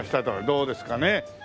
どうですかね？